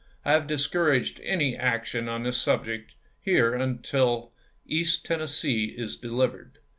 I have discouraged any action on this subject here until East Tennessee is deliv ered.